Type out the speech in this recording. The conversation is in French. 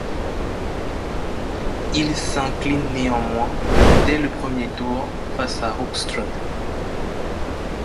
Il s'incline néanmoins dès le premier tour face à Hoogstraten.